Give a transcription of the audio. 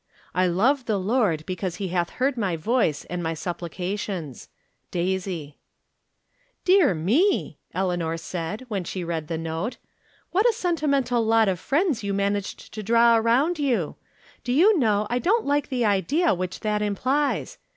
" I love the Lord because he hath heard my voice and my supplications." Daisy. " Dear me !" Eleanor said, when she read the note. " What a sentimental lot of friends you managed to draw around you ! Do you know I don't like the idea which that implies.